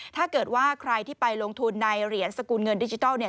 ถ้าเกิดว่าใครที่ไปลงทุนในเหรียญสกุลเงินดิจิทัลเนี่ย